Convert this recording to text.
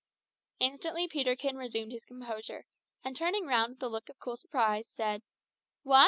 Instantly Peterkin resumed his composure, and turning round with a look of cool surprise, said "What!